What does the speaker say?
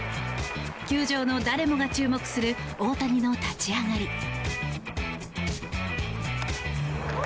球場の誰もが注目する大谷の立ち上がり。